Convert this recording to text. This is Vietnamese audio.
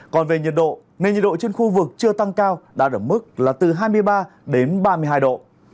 còn về nhiệt độ nền nhiệt độ trên khu vực chưa tăng cao đạt ở mức là từ hai mươi ba đến ba mươi hai độ